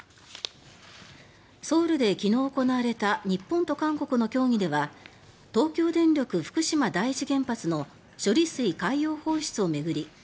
ソウルで昨日行われた日本と韓国の協議では東京電力福島第一原発の処理水海洋放出を巡り